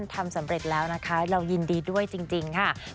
ร่วมบุญกันได้นะคะไม่ใช่จบแบบพร้อมเรานะคะ